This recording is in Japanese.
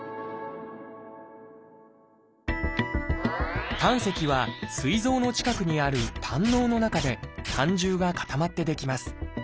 でも「胆石」はすい臓の近くにある胆のうの中で胆汁が固まって出来ます。